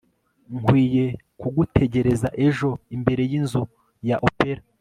nkwiye kugutegereza ejo imbere yinzu ya opera